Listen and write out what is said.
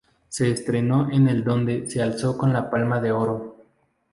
Se estrenó en el donde se alzó con la Palma de Oro.